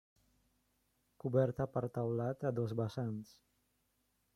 Coberta per teulat a dos vessants.